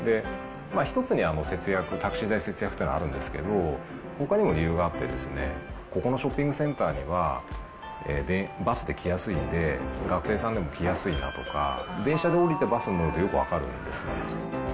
１つには節約、タクシー代節約っていうのはあるんですけど、ほかにも理由があってですね、ここのショッピングセンターには、バスで来やすいので、学生さんでも来やすいなとか、電車で降りてバスに乗ると、よく分かるんですね。